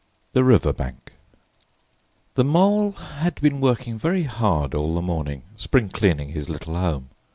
THE RIVER BANK The Mole had been working very hard all the morning, spring cleaning his little home.